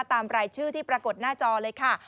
ตามรายชื่อที่ปรากฏหน้าจอเลยค่ะ